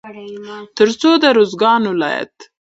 تر څو د روزګان ولايت